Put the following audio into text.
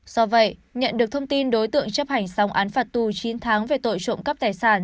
do vậy nhận được thông tin đối tượng chấp hành xong án phạt tù chín tháng về tội trộm cắp tài sản